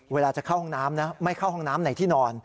เวลาจะเข้าห้องน้ำนะไม่เข้าห้องน้ำในที่นอน